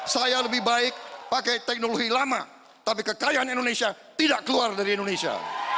saya lebih baik pakai teknologi lama tapi kekayaan indonesia tidak keluar dari indonesia